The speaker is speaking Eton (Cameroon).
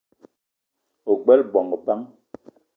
Ogbela bongo bang ?